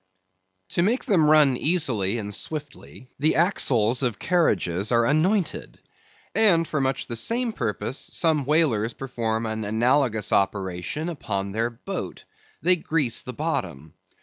To make them run easily and swiftly, the axles of carriages are anointed; and for much the same purpose, some whalers perform an analogous operation upon their boat; they grease the bottom.